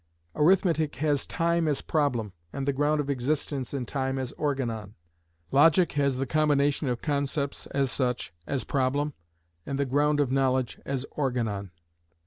Arithmetic has time as problem, and the ground of existence in time as organon. Logic has the combination of concepts as such as problem, and the ground of knowledge as organon.